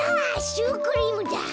シュークリームだ。